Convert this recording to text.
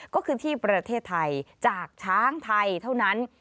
ก็คือที่ประเทศไทยจากช้างไทยเท่านั้น